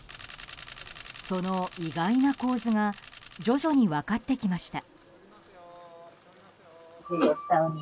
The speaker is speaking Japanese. その意外な構図が徐々に分かってきました。